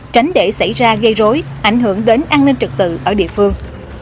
tránh để xảy ra gây rối ảnh hưởng đến an ninh trực tự ở địa phương